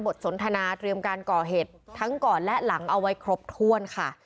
สนทนาเตรียมการก่อเหตุทั้งก่อนและหลังเอาไว้ครบถ้วนค่ะ